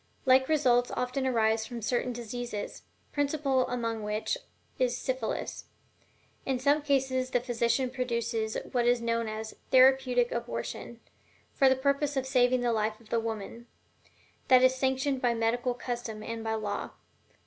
Like results often arise from certain diseases, principal among which is syphilis. In some cases the physician produces what is known as "therapeutic abortion," for the purpose of saving the life of the woman this is sanctioned by medical custom and by law.